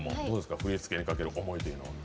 振り付けにかける思いというのは。